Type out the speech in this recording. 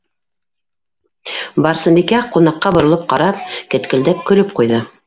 Барсынбикә, ҡунаҡҡа боролоп ҡарап, кеткелдәп көлөп ҡуйҙы: